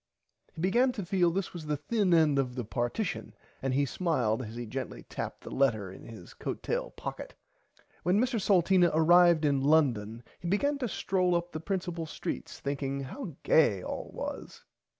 He began to feel this was the thin end of the partition and he smiled as he gently tapped the letter in his coat tail pocket. When Mr Salteena arrived in [Pg 48] London he began to strolle up the principle streets thinking how gay all was.